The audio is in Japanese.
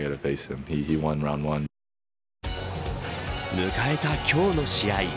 迎えた今日の試合。